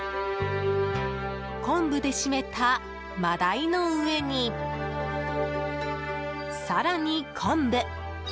昆布で締めたマダイの上に更に昆布。